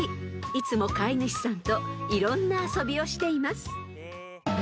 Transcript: ［いつも飼い主さんといろんな遊びをしています］